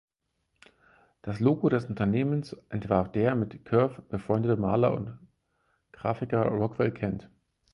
Das Logo des Unternehmens entwarf der mit Cerf befreundete Maler und Grafiker Rockwell Kent.